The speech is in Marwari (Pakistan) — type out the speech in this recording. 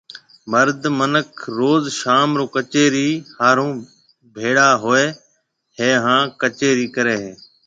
مرد منک روز شام رو ڪچيري ھارو ڀيݪا ھوئيَ ھيََََ ھان ڪچيرِي ڪرَي ھيََََ